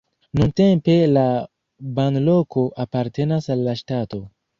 Nuntempe la banloko apartenas al la ŝtato.